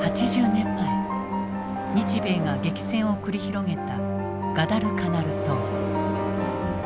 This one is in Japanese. ８０年前日米が激戦を繰り広げたガダルカナル島。